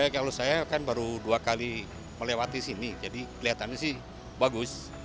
kalau saya kan baru dua kali melewati sini jadi kelihatannya sih bagus